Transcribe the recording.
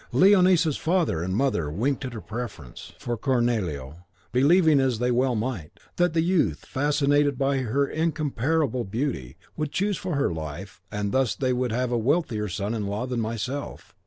Leonisa's father and mother winked at her preference for Cornelio, believing, as they well might, that the youth, fascinated by her incomparable beauty, would chose her for his wife, and thus they should have a wealthier son in law than myself.